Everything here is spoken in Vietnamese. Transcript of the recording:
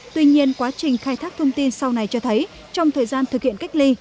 tuy nhiên quá trình khai thác thông tin sau này cho thấy trong thời gian thực hiện cách ly